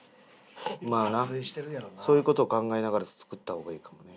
まあなそういう事を考えながら作った方がいいかも。